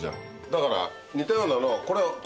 だから似たようなの。